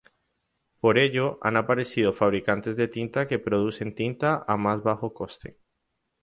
Por ello han aparecido fabricantes de tinta que producen tinta a más bajo coste.